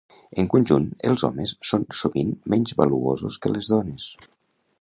En conjunt, els homes són sovint menys valuosos que les dones.